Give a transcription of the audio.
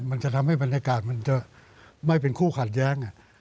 มันจะทำให้บรรยากาศมันจะไม่เป็นคู่ขัดแย้ง